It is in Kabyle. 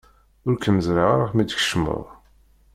Ur kem-ẓriɣ ara mi d-tkecmeḍ.